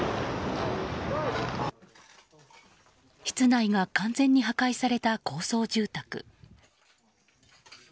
室内が完全に破壊された高層住宅。